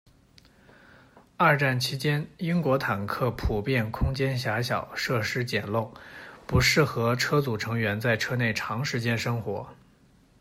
二战期间，英国坦克普遍空间狭小、设施简陋，不适合车组成员在车内长时间生活。